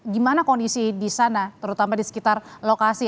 gimana kondisi di sana terutama di sekitar lokasi